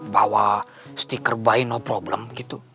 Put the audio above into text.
bawa stiker bayi no problem gitu